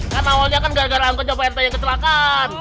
kan awalnya kan gara gara angkot joppa rt yang kecelakaan